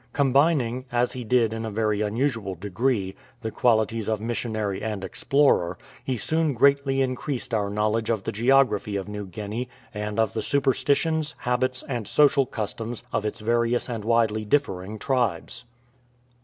Combining, as he did in a very unusual degree, the qualities of missionary and explorer, he soon greatly increased our knowledge of the geography of New Guinea and of the superstitions, habits, and social customs of its various and widely differing tribes.